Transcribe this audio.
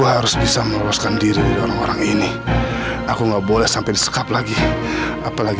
harus bisa meloloskan diri orang orang ini aku nggak boleh sampai disekap lagi apalagi